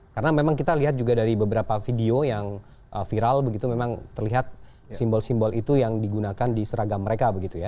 karena memang kita lihat juga dari beberapa video yang viral begitu memang terlihat simbol simbol itu yang digunakan di seragam mereka begitu ya